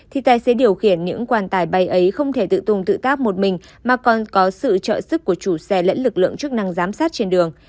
thì tài xế điều khiển những quan tài bay ấy không thể tự tung tự tác một mình mà còn có sự trợ sức của chủ xe lẫn lực lượng chức năng giám sát trên đường